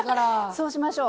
そうしましょう。